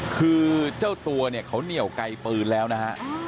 คือเจ้าตัวเนี่ยเขาเหนียวไกลปืนแล้วนะฮะ